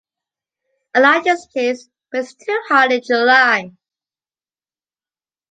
I like this place, but it’s too hot in July.